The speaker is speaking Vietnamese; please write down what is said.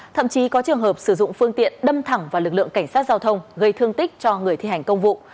thậm chí có trường hợp sử dụng phương tiện đâm thẳng vào lực lượng cảnh sát giao thông gây thương tích cho người thi hành công vụ